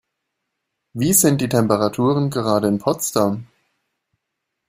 Wie sind die Temperaturen gerade in Potsdam?